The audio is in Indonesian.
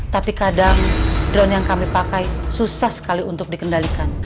tapi kadang drone yang kami pakai susah sekali untuk dikendalikan